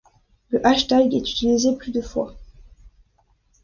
Le hashtag est utilisé plus de fois.